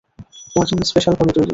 তোমার জন্য স্পেশালভাবে তৈরি।